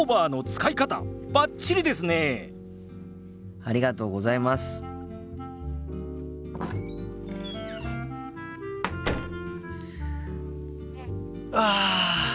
ああ。